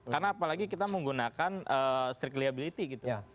karena apalagi kita menggunakan strict liability gitu